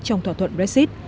trong thỏa thuận brexit